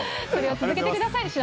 それを続けください。